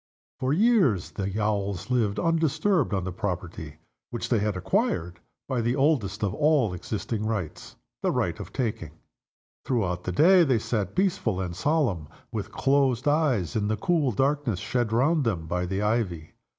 For years the Owls lived undisturbed on the property which they had acquired by the oldest of all existing rights the right of taking. Throughout the day they sat peaceful and solemn, with closed eyes, in the cool darkness shed round them by the ivy.